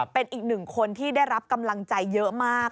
เป็นอีกหนึ่งคนที่ได้รับกำลังใจเยอะมาก